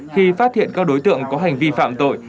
khi phát hiện các đối tượng có hành vi phạm tội